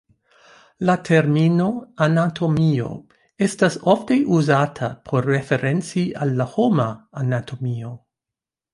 La termino "anatomio" estas ofte uzata por referenci al la homa anatomio.